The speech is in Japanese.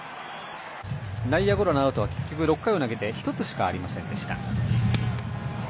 内野ゴロのアウトは結局、６回を投げて１つしかありませんでした。